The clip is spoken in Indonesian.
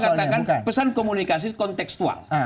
saya katakan pesan komunikasi konteksual